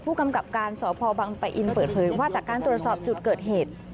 ผู้กำกับการสพบังปะอินเปิดเผยว่าจากการตรวจสอบจุดเกิดเหตุ